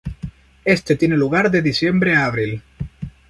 Este tiene lugar de diciembre a abril.